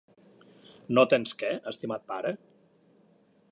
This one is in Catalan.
No tens què, estimat pare?